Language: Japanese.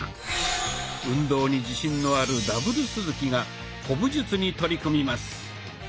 運動に自信のある「Ｗ鈴木」が古武術に取り組みます。